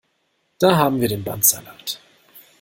Da haben wir den Bandsalat!